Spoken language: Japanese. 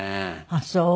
あっそう。